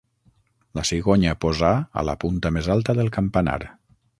La cigonya posà a la punta més alta del campanar.